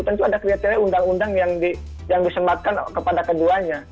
tentu ada kriteria undang undang yang disematkan kepada keduanya